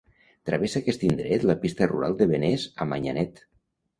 Travessa aquest indret la pista rural de Benés a Manyanet.